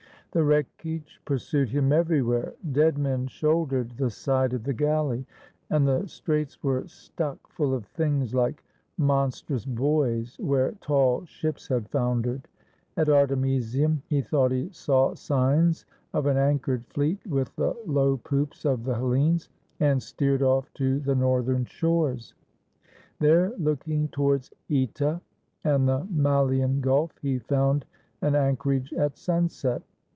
The wreckage pursued him everywhere. Dead men shouldered the side of the galley, and the straits were 93 GREECE stuck full of things like monstrous buoys, where tall ships had foundered. At Artemisium he thought he saw signs of an anchored fleet with the low poops of the Hel lenes, and steered of! to the northern shores. There, looking towards (Eta and the Malian Gulf, he found an anchorage at sunset.